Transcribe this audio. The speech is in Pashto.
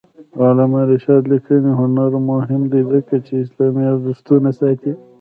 د علامه رشاد لیکنی هنر مهم دی ځکه چې اسلامي ارزښتونه ساتي.